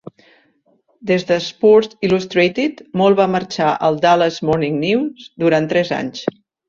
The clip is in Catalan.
Des de "Sports Illustrated", Maule va marxar al "Dallas Morning News" durant tres anys.